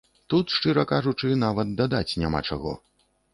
Тут, шчыра кажучы, нават дадаць няма чаго.